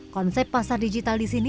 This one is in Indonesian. konsep pasar digital di sini